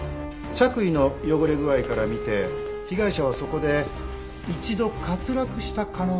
着衣の汚れ具合から見て被害者はそこで一度滑落した可能性があります。